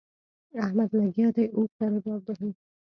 احمد لګيا دی؛ اوښ ته رباب وهي.